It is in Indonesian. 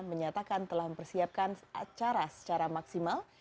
menyatakan telah mempersiapkan acara secara maksimal